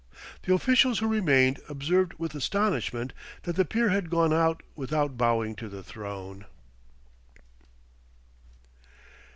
The officials who remained observed with astonishment that the peer had gone out without bowing to the throne!